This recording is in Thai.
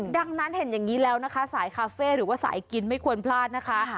ดังนั้นเห็นอย่างนี้แล้วนะคะสายคาเฟ่หรือว่าสายกินไม่ควรพลาดนะคะ